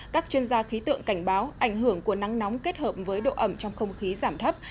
các chuyên gia khí tượng cảnh báo ảnh hưởng của nắng nóng kết hợp với độ ẩm trong không khí giảm thấp